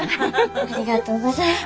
ありがとうございます。